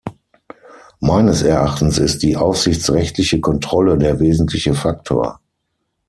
Meines Erachtens ist die aufsichtsrechtliche Kontrolle der wesentliche Faktor.